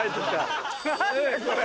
何だこれ？